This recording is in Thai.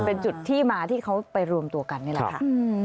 เป็นจุดที่มาที่เขาไปรวมตัวกันนี่แหละค่ะ